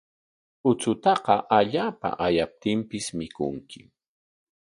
Uchutaqa allaapa ayaptinpis mikunkim.